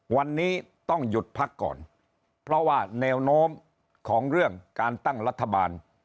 วันนี้ต้องหยุดพักก่อนเพราะว่าแนวโน้มของเรื่องการตั้งรัฐบาล